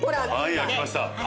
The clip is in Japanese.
はい開きました。